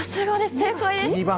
正解です。